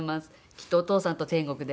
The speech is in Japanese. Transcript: きっとお父さんと天国で。